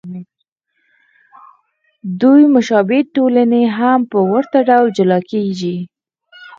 دوې مشابه ټولنې هم په ورته ډول جلا کېږي.